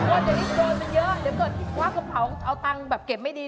ว่าเดี๋ยวนี้โจรมันเยอะเดี๋ยวเกิดควักกระเป๋าเอาตังค์แบบเก็บไม่ดี